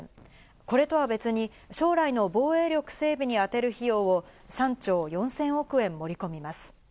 これとは別に将来の防衛力整備に当てる費用を、３兆４０００億円盛り込みます。